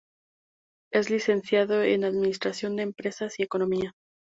Es Licenciado en Administración de Empresas y Economía.